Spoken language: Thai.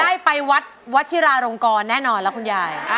ได้ไปวัดวัชิราลงกรแน่นอนแล้วคุณยาย